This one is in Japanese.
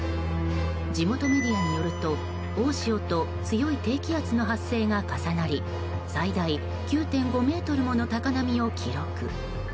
地元メディアによると大潮と強い低気圧の発生が重なり最大９．５ｍもの高波を記録。